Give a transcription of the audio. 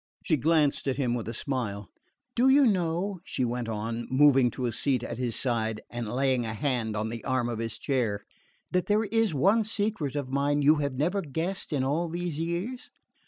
She glanced at him with a smile. "Do you know," she went on, moving to a seat at his side, and laying a hand on the arm of his chair, "that there is one secret of mine you have never guessed in all these years?"